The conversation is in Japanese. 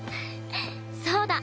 そうだ！